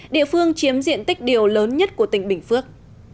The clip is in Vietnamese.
địa phương chiếm diện tích điều lớn nhất của tỉnh bình phước